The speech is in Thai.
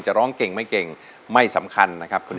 จะร้องเก่งไม่สำคัญ